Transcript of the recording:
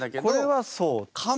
これはそう。